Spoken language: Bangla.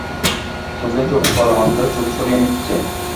চোখে চোখ পড়ামাত্র চোখ সরিয়ে নিচ্ছে।